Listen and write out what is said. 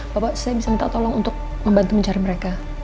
bapak saya bisa minta tolong untuk membantu mencari mereka